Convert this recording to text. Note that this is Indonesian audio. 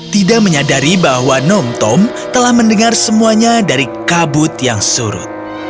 tidak menyadari bahwa nom tom telah mendengar semuanya dari kabut yang surut